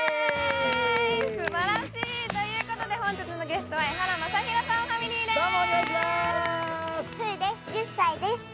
すばらしい！ということで本日のゲストはエハラマサヒロさんファミリーですどうもお願いします